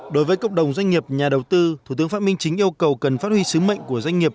đối với cộng đồng doanh nghiệp nhà đầu tư thủ tướng phạm minh chính yêu cầu cần phát huy sứ mệnh của doanh nghiệp